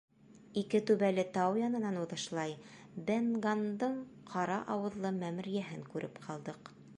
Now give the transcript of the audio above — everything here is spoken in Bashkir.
Ике түбәле тау янынан уҙышлай, Бен Ганндың ҡара ауыҙлы мәмерйәһен күреп ҡалдыҡ.